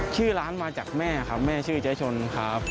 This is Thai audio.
ชื่อร้านมาจากแม่ครับแม่ชื่อเจ๊ชนครับ